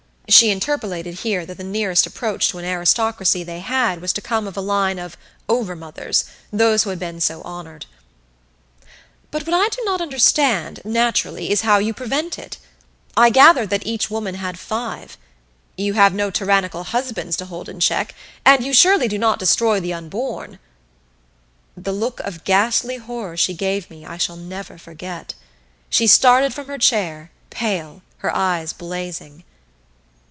(She interpolated here that the nearest approach to an aristocracy they had was to come of a line of "Over Mothers" those who had been so honored.) "But what I do not understand, naturally, is how you prevent it. I gathered that each woman had five. You have no tyrannical husbands to hold in check and you surely do not destroy the unborn " The look of ghastly horror she gave me I shall never forget. She started from her chair, pale, her eyes blazing.